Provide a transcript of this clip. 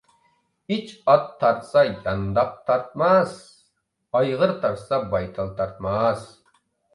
ئىچ ئات تارتسا يانداق تارتماس، ئايغىر تارتسا بايتال تارتماس.